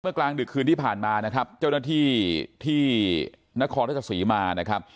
กลางดึกคืนที่ผ่านมานะครับเจ้าหน้าที่ที่นครราชสีมานะครับ